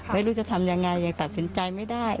ไม่รู้จะทำยังไงยังตัดสินใจไม่ได้